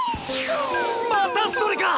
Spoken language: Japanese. またそれか！